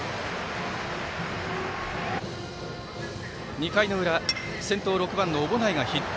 ２回の裏先頭６番の小保内がヒット。